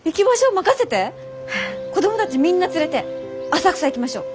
子供たちみんな連れて浅草行きましょう！